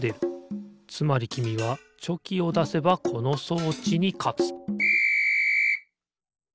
つまりきみはチョキをだせばこの装置にかつピッ！